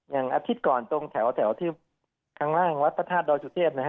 อย่างอาทิตย์ก่อนตรงแถวที่ข้างล่างวัฒนธาตุโดยจุเทศนะฮะ